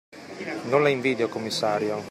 Non la invidio, commissario.